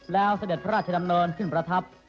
แล้วเสด็จพระราชดำเนินขึ้นประทับ